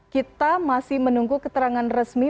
kita masih menunggu keterangan resmi